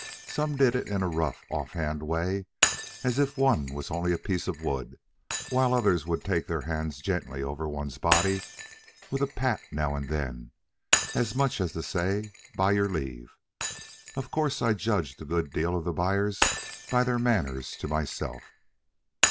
Some did it in a rough, off hand way, as if one was only a piece of wood; while others would take their hands gently over one's body, with a pat now and then, as much as to say, "By your leave." Of course, I judged a good deal of the buyers by their manners to myself.